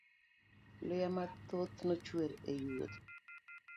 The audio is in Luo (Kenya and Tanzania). Luya mathoth nochwer e yuothe.